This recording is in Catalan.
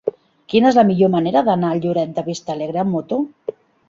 Quina és la millor manera d'anar a Lloret de Vistalegre amb moto?